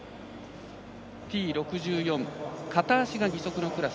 Ｔ６４、片足義足のクラス。